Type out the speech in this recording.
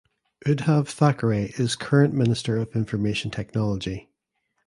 Uddhav Thackeray is Current Minister of Information Technology.